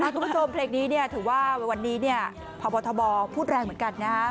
คุณผู้ชมเพลงนี้ถือว่าวันนี้พระบทบพูดแรงเหมือนกันนะ